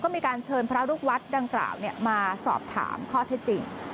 มีการเชิญพระลูกวัดดังกล่าวมาสอบถามข้อเท็จจริง